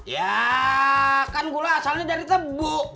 ya kan gula asalnya dari tebu